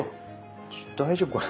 ちょっと大丈夫かな？